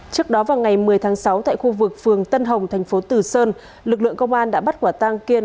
trước đó vào ngày một mươi tháng sáu tại khu vực phường tân hồng tp từ sơn lực lượng công an đã bắt quả tăng kiên